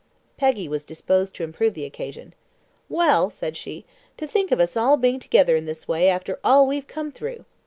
Peggy was disposed to improve the occasion. "Well," said she, "to think of us all being together in this way after all we've come through!